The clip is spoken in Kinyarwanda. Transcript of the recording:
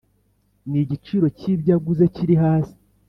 n'igiciro cy'ibyo aguze kiri hasi